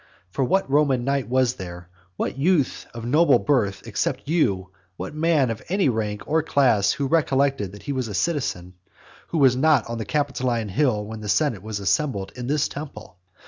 For what Roman knight was there, what youth of noble birth except you, what man of any rank or class who recollected that he was a citizen, who was not on the Capitoline Hill while the senate was assembled in this temple?